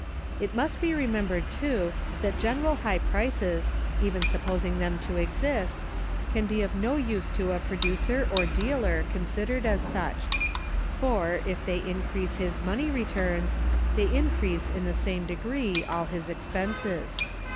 It must be remembered, too, that general high prices, even supposing them to exist, can be of no use to a producer or dealer, considered as such; for, if they increase his money returns, they increase in the same degree all his expenses.